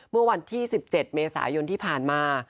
เมื่อวันที่๑๗เมษายนที่ผ่านมา